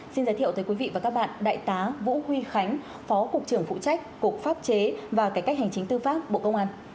xin giới thiệu tới quý vị và các bạn đại tá vũ huy khánh phó cục trưởng phụ trách cục pháp chế và cải cách hành chính tư pháp bộ công an